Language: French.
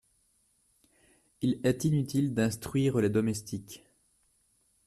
Il est inutile d’instruire les domestiques.